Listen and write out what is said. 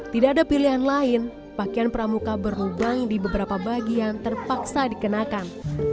tidak ada pilihan lain pakaian pramuka berlubang di beberapa bagian terpaksa dikenakan